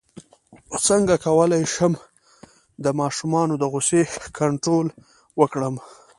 څنګه کولی شم د ماشومانو د غوسې کنټرول وکړم